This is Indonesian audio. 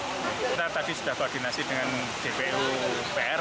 kita tadi sudah koordinasi dengan dpo pr